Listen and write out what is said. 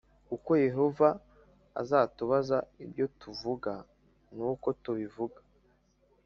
uko Yehova azatubaza ibyo tuvuga n uko tubivuga